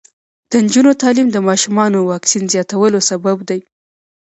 د نجونو تعلیم د ماشومانو واکسین زیاتولو سبب دی.